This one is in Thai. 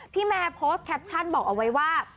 แม่โพสต์แคปชั่นบอกเอาไว้ว่า